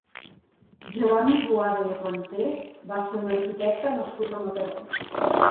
Jeroni Boada i Renter va ser un arquitecte nascut a Mataró.